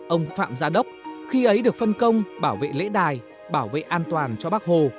ông phạm gia đốc khi ấy được phân công bảo vệ lễ đài bảo vệ an toàn cho bác hồ